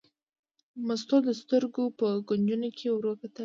مستو د سترګو په کونجونو کې ور وکتل.